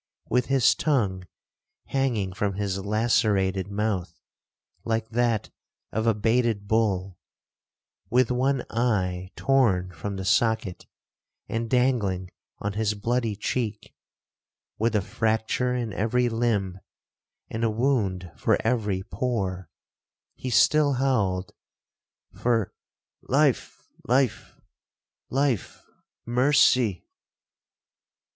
With his tongue hanging from his lacerated mouth, like that of a baited bull; with, one eye torn from the socket, and dangling on his bloody cheek; with a fracture in every limb, and a wound for every pore, he still howled for 'life—life—life—mercy!'